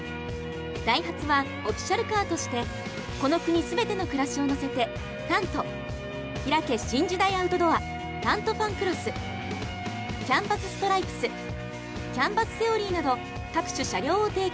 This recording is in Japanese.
ダイハツはオフィシャルカーとしてこの国すべての暮らしを乗せてタント、開け新時代アウトドアタントファンクロスキャンバスストライクスキャンバスセオリーなど各種車両を提供。